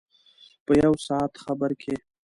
په یو ساعت خبر کې.